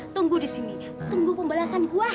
tunggu di sini tunggu pembalasan buah